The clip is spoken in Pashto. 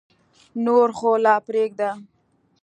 نور خو لا پرېږده.